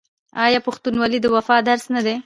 آیا پښتونولي د وفا درس نه دی؟